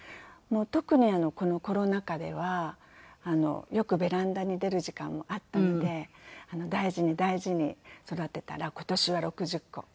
特にこのコロナ禍ではよくベランダに出る時間もあったので大事に大事に育てたら今年は６０個。